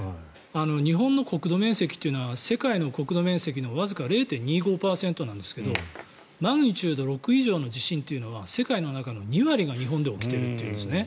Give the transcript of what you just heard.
日本の国土面積は世界の国土面積のわずか０．２５％なんですけどマグニチュード６以上の地震というのは世界の中の２割が、日本で起きているというんですね。